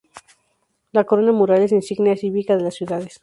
La corona mural es insignia cívica de las ciudades.